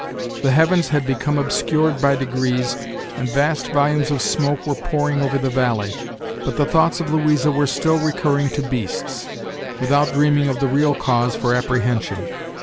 The heavens had become obscured by degrees, and vast volumes of smoke were pouring over the valley; but the thoughts of Louisa were still recurring to beasts, without dreaming of the real cause for apprehension.